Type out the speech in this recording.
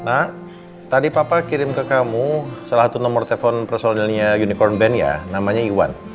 nak tadi papa kirim ke kamu salah satu nomor telepon personilnya unicorn band ya namanya iwan